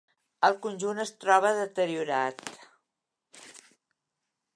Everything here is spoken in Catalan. El conjunt es troba deteriorat.